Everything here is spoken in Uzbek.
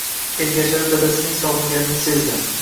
Ergashali dadasining sog‘inganini sezdi.